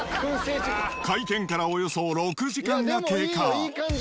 開店からおよそ６時間が経過。